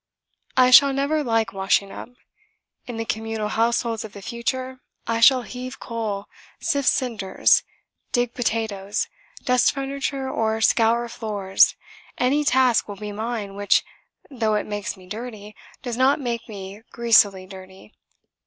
I shall never like washing up. In the communal households of the future I shall heave coal, sift cinders, dig potatoes, dust furniture or scour floors any task will be mine which, though it makes me dirty, does not make me greasily dirty.